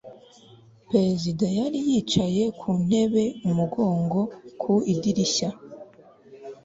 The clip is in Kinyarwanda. perezida yari yicaye ku ntebe umugongo ku idirishya